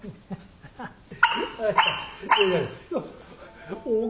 ハハハ。